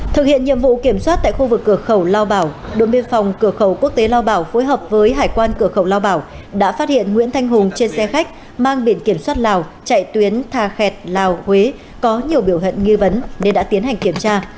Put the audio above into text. thực hiện nhiệm vụ kiểm soát tại khu vực cửa khẩu lao bảo đội biên phòng cửa khẩu quốc tế lao bảo phối hợp với hải quan cửa khẩu lao bảo đã phát hiện nguyễn thanh hùng trên xe khách mang biển kiểm soát lào chạy tuyến thà khẹt lào huế có nhiều biểu hận nghi vấn nên đã tiến hành kiểm tra